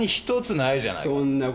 ない。